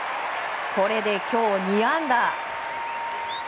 これで今日２安打。